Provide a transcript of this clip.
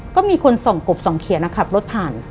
ก็มีคนส่องกบส่องเขียนขับรถผ่าน